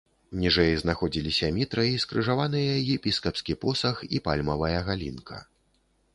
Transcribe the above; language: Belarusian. Ніжэй знаходзіліся мітра і скрыжаваныя епіскапскі посах і пальмавая галінка.